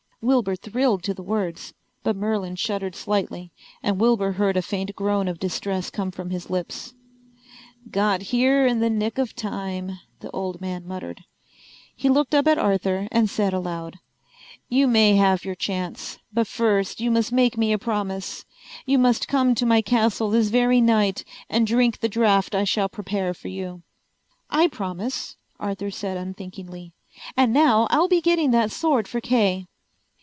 Wilbur thrilled to the words. But Merlin shuddered slightly and Wilbur heard a faint groan of distress come from his lips. "Got here in the nick of time," the old man muttered. He looked up at Arthur and said aloud: "You may have your chance. But first you must make me a promise. You must come to my castle this very night and drink the draught I shall prepare for you." "I promise," Arthur said unthinkingly. "And now I'll be getting that sword for Kay."